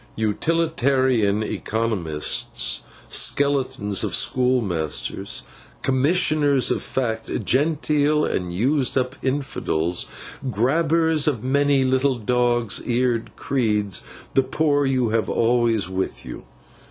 Utilitarian economists, skeletons of schoolmasters, Commissioners of Fact, genteel and used up infidels, gabblers of many little dog's eared creeds, the poor you will have always with you.